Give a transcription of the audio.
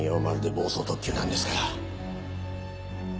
まるで暴走特急なんですから。